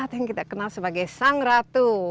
atau yang kita kenal sebagai sang ratu